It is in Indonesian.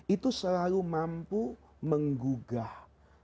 itu selalu mampu menggugah